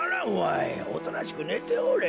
おとなしくねておれ。